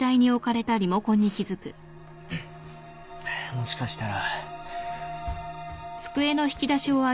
もしかしたら。